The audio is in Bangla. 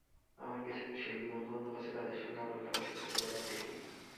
আমার কিছু শিল্পী বন্ধুবান্ধব আছে, তাদের সঙ্গে আমার মেলামেশা ছোটবেলা থেকেই।